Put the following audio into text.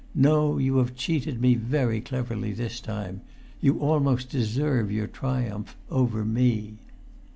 No, you have cheated me very cleverly this time. You almost deserve your triumph—over me!"